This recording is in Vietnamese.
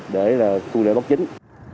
để là khu lệ bốc chính